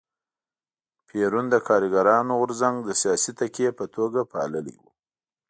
پېرون د کارګرانو غورځنګ د سیاسي تکیې په توګه پاللی و.